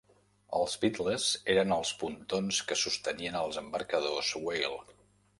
Els "Beetles" eren els pontons que sostenien els embarcadors "Whale".